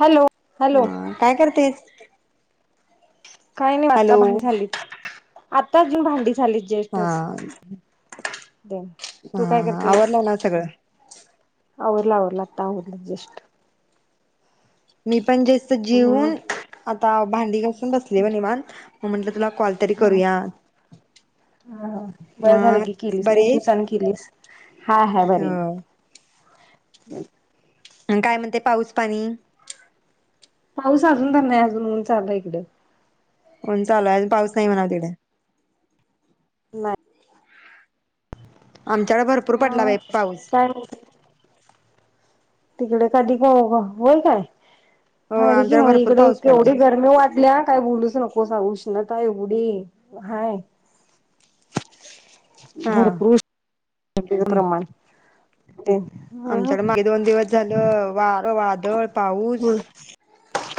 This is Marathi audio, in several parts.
हॅलो हॅलो हा काय करतेस? काही नाही हॅलो आता भान झालीच. आता जी भांडी झाली ज्येष्ठचं हा हा आवरला ना सगळं? आवरलं-आवरलं आता आवरलं जस्ट निब पण जास्त हम्म जीवून आता आव भांडी घस बसली बघ निवांत हो म्हटलं तुला कॉल तरी हां करूया हां बया मग झालं की केलीस बरी एक आहेस दिवसान केलीस. हा हाय बरी ह हम काय म्हणते पाऊस पाणी? पाऊस अजून तर नाही अजून उन चाललय इकडं. ऊन चालू हाय अ पाऊस नाही म्हणाव तिकडं नाही. आमच्याकडे भरपूर पडला अ बाई पाऊस. काय म्हणते तिकडे कधी काय बाबा होय काय? हो भारी की आमच्याकडे मग भरपूर इकडं पाऊस पडला केवढी गरमी वाटलीया काय बोलूच नको. कोसा उष्णता एवढी हाय हा भर पुरू [unintelligible] प्रमाण ते अ आमच्याकडं मागे दोन दिवस झालं वार, वादळ, पाऊस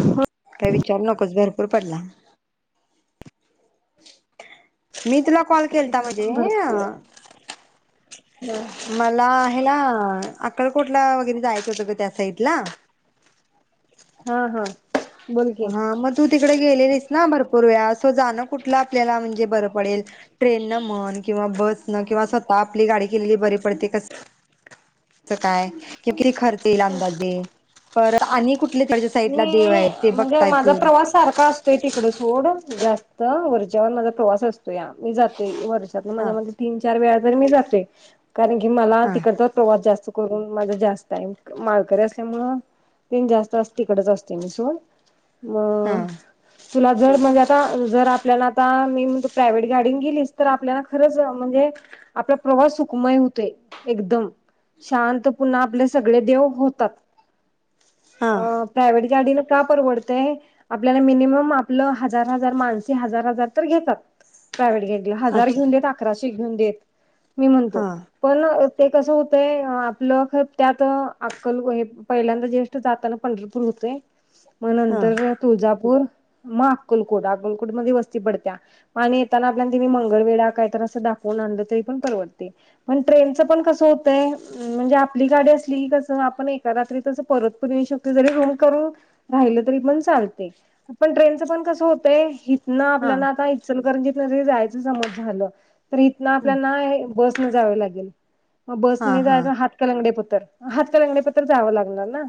होय. काय विचारू नकोच भरपूर पडला. [inaudible] मी तुला कॉल केलता इकडे म्हणजे पण अ भरपूर आहे मला आहे ना अक्कलकोटला वगैरे जायाचं होतं गं, त्या साईटला हा हा. बोल की हा म तू तिकड गेलेलीस. ना भरपूर वेळा असं जाणं कुठलं आपल्याला म्हणजे बरं पडेल, ट्रेन न म्हण किंवा बस न किंवा स्वतः आपली गाडी केलेली बरी पडते, कस काय कि किती खर्च येईल अंदाजे परत आणि कुठल [unintelligible] साईटला देव मी आहेत. म्हणजे माझा प्रवास सारखा असतोय तिकड सोड जास् त वरच्यावर माझा प्रवास अस तोया मी जातोय, वर्षातन माझ्या हा म्हणजे तीन चार वेळा [unintelligible] मी जातोय. कारण की मला हा तिकडचा प्रवास जास्त करून माझ जास्त आय, क माळकरी असल्यामुळ [unintelligible] तिकडच असते मी सोड हा म तुला जर म्हणजे आता जर आपल्याला आता मी म्हणतो प्रायवेट गाडी न गिलीस तर आपल्याला खरच म्हणजे आपला प्रवास सुखमय हुतोय, एकदम शांत पुन्हा आपले सगळे देव होतात. हा अ प्रायवेट गाडीन का परवड तय आपल्याला मिनिमम आपलं हजार हजार माणसी हजार हजार तर घेतात. प्रायवेट [unintelligible] हजार अच्छा घेऊन देत अकराशे ते घिऊन देत. मी हा म्हणतो पण अ ते कसं होतय आपलं खर त्यात अक्कल हे पहिल्यांदा ज्येष्ठ जाताना पंढरपूर हुतय. म हा नंतरन तुळजापूर म आक्कलकोट आक्कोलकोट मध्ये वस्ती पडत्या आणि येताना आपल्याना तेनी मंगळवेढा कायतर असं दाखवून आणलं तरी पण परवडते, पण ट्रेनचं पण कसं होतय म म्हणजे आपली गाडी असली की कसं आपण एका रात्रीतच परत पण येऊ शकतोय, जरी हम करून राहिलं तरी पण चालतय, पण ट्रेनचं पण कसं होतय ही न हा आपल्याला आता इचकरंजीत तरी जायचं समज झालं. तर इथन हम्म आपल्यानाय बस न जावे लागेल. मग हा बसने हा जायच हातकलंगडे पत तर हातकलंगडे पतर जावं लागणार ना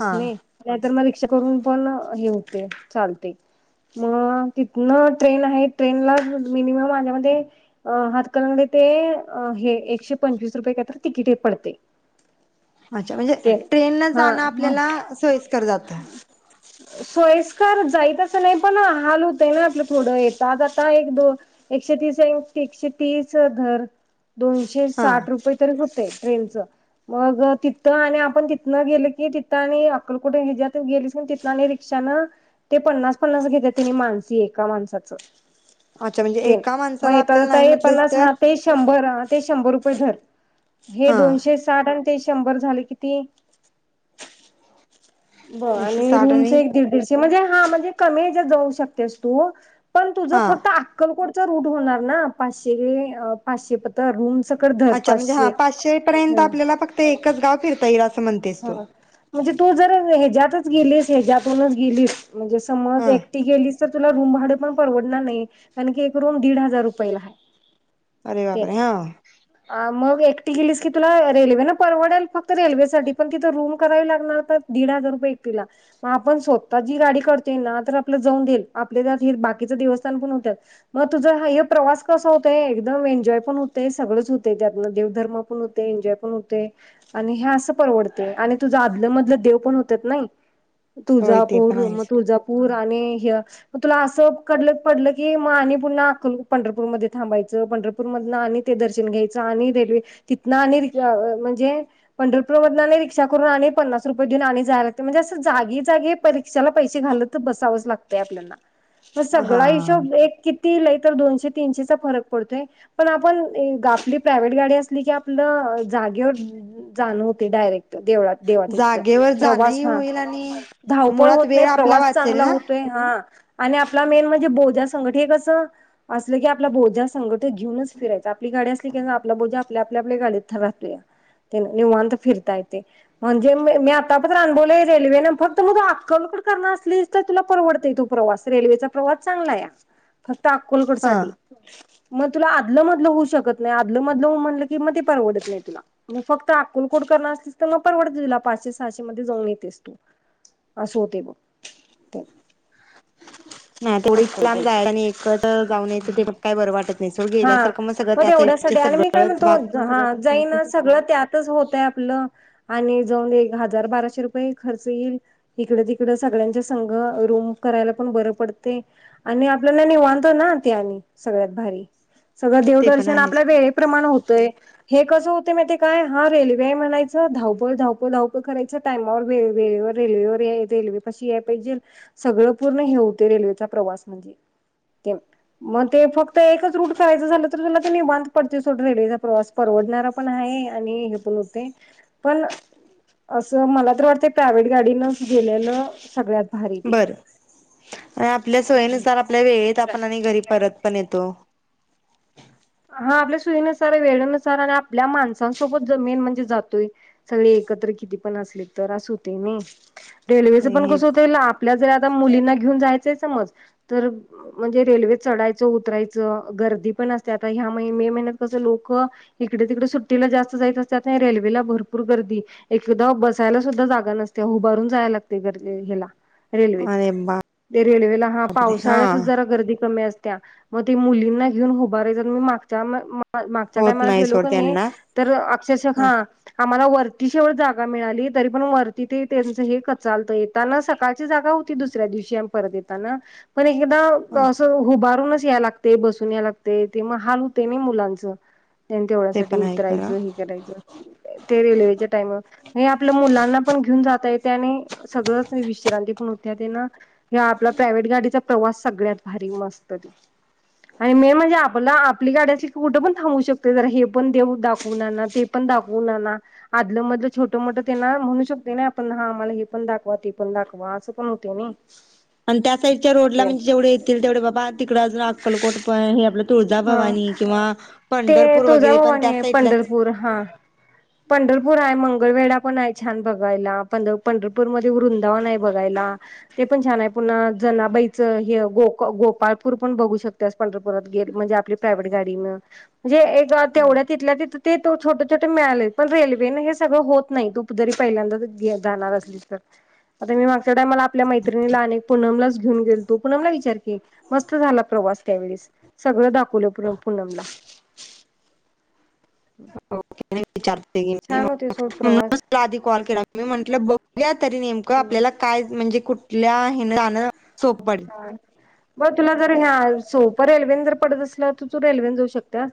हा ने नाहीतर मग रिक त्य करून पण हे होते, चालते म तिथन ट्रेन हाय, ट्रेनला म मिनिमम माझ्यामते अ हातकलंगडे ते अ हे एकशे पंचवीस रुपये कायतर तिकीट ये पडते. अच्छा म्हणजे ते ट्रेन न हा जाणं मग आपल्याला सोयस्कर जा हो सोयस्कर जाईल, तसं नाही- पण हाल होतय ना आपलं थोडा वेळ आता एक दो एकशे तीस एकशे तीस धर- दोनशे हा साठ रुपये तरी- त ट्रेन च, मग तिथ आणि आपण तिथनं गेल की तिथ आणि अक्कलकोट [unintelligible] त गेलीसण तिथन आणि रिक्षा न ते पन्नास पन्नास घेताती मानसी एका माणसाचं. अच्छा म्हणजे एका हो, माणसाला आपल्याला नाही म्हटलीस तर [unintelligible] शंभर- ते शंभर रुपये भर. हे हा दोनशे साठ आन - ते शंभर झाले किती? ब एकशे आणि साठ रूमच एक दीड दीडशे म्हणजे - हा, म्हणजे कमी याच्यात जाऊ शकतेस तू- पण तुझं हा फक्त अक्कलकोट - त [unintelligible] होणार ना पाचशेतिथे पाचशे रूमच. अच्छा, म्हणजे हा पाचशे पर्यंत आपल्याला फक्त एकच गाव फिरता येईल [unintelligible] ह म्हणजे तू जर हच्यात- तेच [unintelligible] गेलीस हच्यातूनच गेलीस- म्हणजे समज हा एकटी गेली- त तुला रूम भाडे पण परवडणार नाही, कारण की एक रूम दीड हजार रुपयेला आहे. अरे पन- बापरे हा आ मग एकटी गेलीस कि- तुला रेल्वे न परवडेल फक्त रेल्वे साठी- पण तिथं रूम करावी लागणार तर दीड हजार रुपये एकटीला, मग आपण स्वतःची गाडी करते ना तर आपलं जाऊन देईल आपले त्यात हे बाकीच देवस्थान पण होत मग तुझा हा हे प्रवास कसा होत एकदम एन्जॉय पण होत सगळंच होत त्यातन देवधर्म पण होतोय एन्जॉय पण होतोय, आणि ह असं परवडत- आणि तुझं आधलं मधलं देव पण होतात नाही? होय ते तुळजापूर पण म आहेच तुळजापूर- आणि हे, म तुला असं क पडलं की मग आणि पुन्हा [unintelligible] पंढरपूरमध्ये थांबायचंय पंढरपूर मधन आणि ते दर्शन घ्यायचं आणि रेल्वे तिथन आणि- म्हणजे पंढरप- [unintelligible] नाही रीक्षा करून आणि पन्नास रुपये देऊन आणि जायला लागत, म्हणजे असं जागी जागी परीक्षाला पैसे घालत बसावंच लागतंय आपल्याला. हे हा सगळा हिशोब एक कि? ती लय तर दोनशे तीनशेचा फरक पडतोय पण आपण, आपली प्रायव्हेट गाडी असली की आपलं जागेवर जाण होतेय डायरेक्ट देवळात देवाच्या इथं जागेवर प्रवास जाणंही हा होईल आणि धावपळ मुळात होत नाही वेळ आपला प्रवास वाचेल चांगला ना होतोय ना - आणि आपला मेन म्हणजे बोजा संघट. हे कस? असलं की आपला बोजा संघट घेऊनच फिरायचं आपली गाडी असली की आपला बोजा आपल्या आपल्या गाडीत [unintelligible] निवांत फिरता येतय. म्हणजे मी आता तर अनुभवलय रेल्वेन फक्त मग तू अक्कलकोट करणार असलीस, तर तुला परवडतो तो प्रवास रेल्वेचा प्रवास चांगला आहे हा. त अक्कलकोट हा साठी- म तुला आदलं मधलं होऊ शकत नाही. आदलं मधलं म्हटलं की म ते परवडत नाही तुला, म फक्त अक्कलकोट करणार असलीस तर- तर मग परवडत तुला पाचशे सहाशे मध्ये जाऊन येतेस तू, असं होतय बघ- हो. नाही तेवढी इतकं लांब अक्कलकोटला जायला आणि एकट जाऊन यायचं ते पण काय बरं वाटत नाही सोड हा- गेल्यासारखं मग सगळं म त्या साईडचे तेवढ्यासाठी आणि मी काय सगळंच भाग म्हणते हा जाईन ना सगळं, त्यातच होतंय आपलं सगळं आणि जाऊन एक हजार बाराशे रुपये खर्च येईल इकडं तिकडं सगळ्यांच्या संघ रूम करायला पण बरं पडते आणि आपल्याला निवांत ना ते आणि सगळ्यात भारी. सगळं ते पण देवदर्शन आपल्या आहेच वेळेप्रमाण होतंय. हे कसं होते मग ते काय हा रेल्वे म्हणायच धावपळ धावपळ करायच टाईमावर वेळेवर रेल्वे पाशी यायला पाहिजे सगळ पूर्ण हे होतय रेल्वेचा प्रवास म्हणजे मग ते फक्त एकच रूट करायचं झालं तर तुला ते निवांत पडते रेल्वेचा प्रवास परवडणारा पण आहे आणि हे पण होतय. पण अस मला तर वाटतं प्रायव्हेट गाडीनच गेलेलं सगळ्यात भारी ते बर आणि आपल्या सोयीनुसार आपल्या वेळेत असं आपण आणि घरी परत पण येतो. हा आपल्या सुईनुसार वेळे नुसार आणि आपल्या माणसांसोबत ज मेन म्हणजे जातोय सगळे एकत्र किती पण असले तर अस होते नाही. रेल्वेचं नाही पण हे कसं होतंय आपल्याल्यात मुलींना घेऊन जायचं समज तर म्हणजे रेल्वे चढायचं उतरायचं गर्दी पण असनार आता ह्या महि मे महिन्यात कसं लोक इकडे तिकडे मे महिन्यापासून लोक इकड- तिकड सुट्टीला जास्त जायत असतते नाही रेल्वेला भरपूर गर्दी एकदा बसायला सुद्धा जागा नसते उभारून जायला लागते गर्दी हेला. रेल्वेत अरे बापरे ते रेल्वेला हा हा पावसाळ्यातच जरा गर्दी कमी असते. त्या मग ते मुलींना घेऊन बरेच जन मागच्या मा मागच्या होत टायमाला गेलो सोड का नाही त्यांना तर अक्षरश ह हां आम्हाला वर होती सोड जागा मिळाली तरी पण वरती ते त्यांच हे कचालत येताना सकाळची जागा होती दुसऱ्या दिवशी आम्ही परत येताना. पण एकदा ह असं उभारूनच याय लागतय बसून या लागतय. ते ते मग हाल होते नाही मुलांचं. तिथे आणि ते तेवढ्यासाठी पण आहे खरं उतरायचं हे करायचं ते रेल्वेच्या टाईम हे आपल्या मुलांना पण घेऊन जात येत आणि सगळंच विश्रांती पण त्यात आहे ना कि आपला प्रायव्हेट गाडीचा प्रवास सगळ्यात भारी मस्त आणि मे महिना म्हणजे आपला आपली गाड्याची कुठं पण थांबू शकते जरा हे पण देऊ दाखवून ते पण दाखवून आणा आदलं मधलं छोटं मोठं त्यांना म्हणू शकते ना आपण हा आम्हाला हे पण दाखवा ते पण दाखवा असं पण होते नाही. आणि त्या साइडच्या रोडला म्हणजे जेवढे येतील तेवढे बाबा तिकडं अजून अक्कलकोट पण हे आपल हा ते वगैरे पण त्या तुळजाभवानी आहे साईडलाच पंढरपूर हा पंढरपूर आहे मंगळवेढा पण आहे छान बघायला पण पंढरपूर मध्ये वृंदावन आहे बघायला ते पण छान आहे पुन्हा जनाबाईचं हे गो गोपाळपूर पण बघू शकतेस पंढरपुरात गेल्याव म्हणजे आपली प्रायव्हेट गाडीन. म्हणजे एक तेवढ्या तिथल्या तिथं ते तो छोट छोटे मिळाले पण रेल्वेने हे सगळं होत नाही तू जरी पहिल्यांदाच जाणार असली तर आता मी मागच्या टयमाला आपल्या मैत्रिणीला आनिक पुनमलाच घेऊन गेलतो. पुनमला विचार की मस्त झाला प्रवास त्यावेळेस. सगळं दाखवलं पु पुनमला. ओके विचारते क म म्हणून आधी कॉल केला म म्हट बघूयात. तरी नेमकं हम्म आपल्याला काय म्हणजे कुठ कुठल्या ह्याण चोपड बघ तुला जर ह्या सोपं रेल्वेन जर पडत असलं तर तू तू रेल्वेने जाऊ शकत्यास.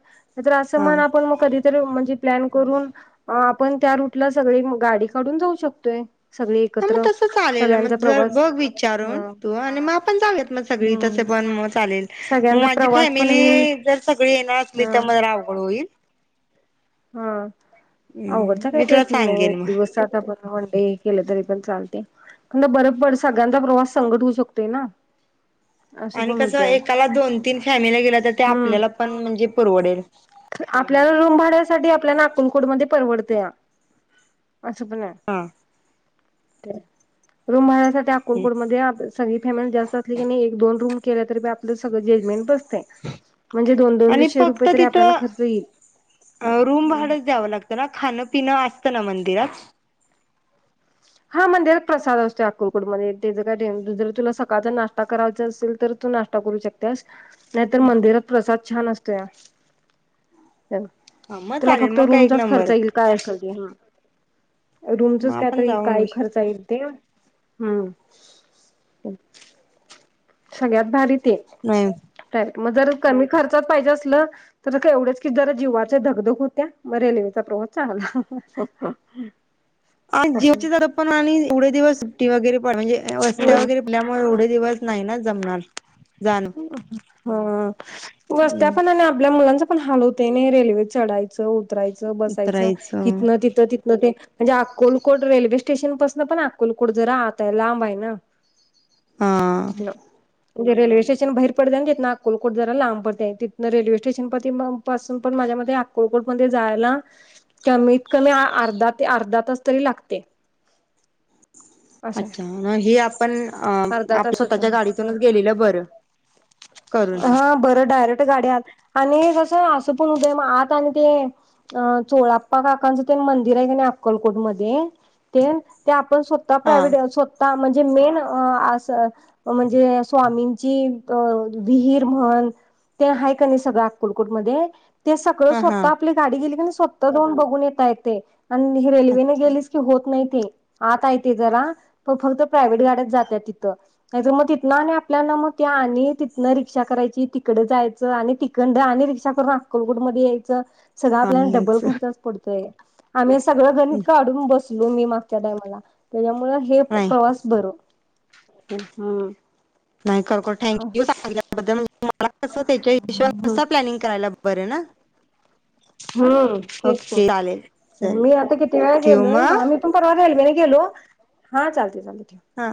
असं हा म्हण आपण मग कधीतरी प्लॅन करून आपण त्या रूटला, सगळी गाडी काढून जाऊ शकतोय. सगळी ह मग एकत्र. तस चालेल, मग सगळ्यांचा जर प्रवास बघ विचारून हा. तू आणि मग सगळी तस हम्म. पण म चालेल, मग सगळ्यांचा माझी प्रवास पण होईल फॅमिली जर सगळी येणार असली हा तर अवघड होईल. इल [inaudible] हा अवघडचा काही मी तुला प्रश्न नाही, सांगेन मग दिवसात पण वन डे केलं तरी पण चालत बरोबर सगळ्यांचा, प्रवास संकट होऊ शकतोय ना. असं आणि पण कसं होतंय. एकाला दोन तीन, फॅमिल्या गेल्या तर ते हम्म. आपल्याला पण म्हणजे परवडेल. आपल्याला रूम भाड्यासाठी आपल्याला नाकुलकोड मध्ये परवडतया. ह सुपर हा [inaudible] ते रुम हाय. अक्कलकोट मध्ये, सगळी फॅमिली जास्त असली कने नाही एक दोन रूम केलं तरी आपलं सगळ जजमेंट बत म्हणजे दोन आणि दोनशे रुपये फक्त तरी आपल्याला खर्च येईल. रूम भाड द्याव लागत ना? खाण पिन न मंदिरात हा मंदिरात प्रसाद असतो. अक्कलकोटमध्ये तेज काय जर तुला, सकाळचा नाश्ता करायचा असेल तर तू नाश्ता करू शकत्यास. नाहीतर मंदिरात प्रसाद छान असतोय. ह मग तुला चालेल फक्त मग काय एक रूमचाच खर्च नंबर येईल काय? आसेल मग रूमचच काय आपण तरी जाऊन काही खर्चा येईल ते. हम [inaudible] सगळ्यात भारी ते नाही प्र मग जर कमी खर्चात पाहिजे असलं, तर एवढेच की जरा जीवाची धकधक होत्या मग रेल्वेचा प्रवास चांगला. आणि असं जीव [inaudible] आणि एवढे दिवस सुट्टी वगैरे पण म्हणजे वस्त्या एवढंच वगैरे [inaudible] दिवस नाही ना जमणार. जाण हो हो वस्त्या पण आणि आपल्या मुलांच पण हाल होतय ने, रेल्वे चढायचं बसायचं उतरायचं हितन तिथं तिथन ते, म्हणजे अक्कलकोट रेल्वे स्टेशन पासन पण आकलकोठ जरा आतय, लांब आहे ना. हा. तिथनं म्हणजे रेल्वे स्टेशन बाहेर पडतय तिथन अक्कलकोट जरा लांब पडतय तिथं रेल्वे स्टेशन [unintelligible] पासून पण माझ्या मते अक्कोलकोट मध्ये जायला कमीत कमी अर्ध ते अर्धा तास तरी लागते. असं अच्छा आहे म हे आपण अर्धा आप तास होतो. स्वतःच्या हम्म गाडीतूनच गेले हा बर डायरेक् गाड्यात आणि जस अस पण होतय म आत आणि ते चोळाप्पा काकांच तेन मंदिर आहे का नाही अक्कलकोट मध्ये तेन आपण स्वतः हा प्रायव्हेट स्वतः जे मेन अस. म्हणजे. स्वामींची विहीर म्हण ते आहे का नाही सगळ अक्कलकोट मध्ये. ते सगळं हा हा स्वतः आपली गाडी गेली काने स्वतः जाऊन बघून येता येतय. आणि ही रेल्वेने अच्छा गेलीस की होत नाही. हम्म, आत आहे ते जरा फक्त प्रायव्हेट गाड्या जात्यात तिथं नाही तर म तिथन आणि आप आपल्याला म ते आणि तिथनं रिक्षा करायची तिकड जायचं आणि तिकंड आणि रिक्षा करून अक्कलकोट मध्ये यायचं. सगळं आपल्याला डबल आणिच खर्चचा पडतोय. [unintelligible] सगळं गणित काढून बस म मी मागच्या टायमाला, त्याच्यामुळ हे नाही प्रवास बर. हम. नाही खरोखर थँक्यू सांगितल्याबद्दल म्हणजे मला मला कस त्याच्या हिशोबान कसं प्लॅनिंग करायला बरं ना. हम् हेच ओके चालेल म चालेल मी आता किती वेळा ठेवू गेलोय मग आम्ही पण परवा रेल्वेन गलो, हा चालतय चालतय. हा.